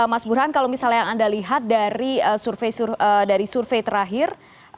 mas burhan kalau misalnya yang anda lihat dari survei terakhir